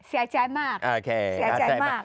เสียใจมากเสียใจมาก